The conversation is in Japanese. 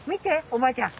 おばあちゃん。